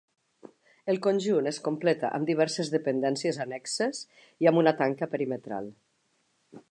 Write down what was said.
El conjunt es completa amb diverses dependències annexes, i amb una tanca perimetral.